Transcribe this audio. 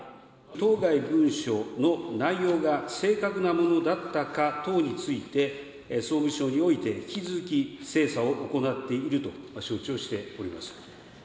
当該文書の内容が正確なものだったか等について、総務省において引き続き精査を行っていると承知をしております。